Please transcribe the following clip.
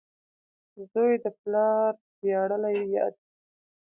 • زوی د پلار ویاړلی یاد وي.